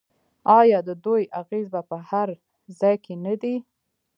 آیا د دوی اغیز په هر ځای کې نه دی؟